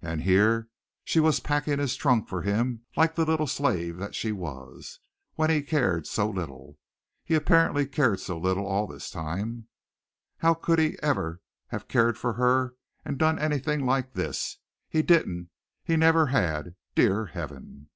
And here she was packing his trunk for him like the little slave that she was when he cared so little, had apparently cared so little all this time. How could he ever have cared for her and done anything like this! He didn't! He never had! Dear Heaven!